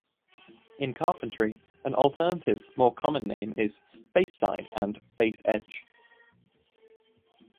In carpentry, an alternative, more common name is "face side" and "face edge".